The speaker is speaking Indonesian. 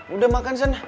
udah makan sana